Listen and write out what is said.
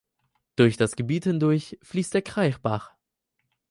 Durch das Gebiet hindurch fließt der Kraichbach.